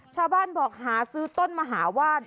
ชาวบ้านบอกหาซื้อต้นมหาว่าน